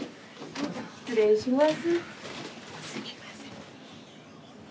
失礼します。